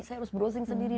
saya harus browsing sendiri